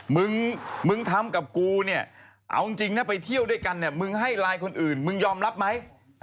มึงมึงทำกับกูเนี่ยเอาจริงนะไปเที่ยวด้วยกันเนี่ยมึงให้ไลน์คนอื่นมึงยอมรับไหม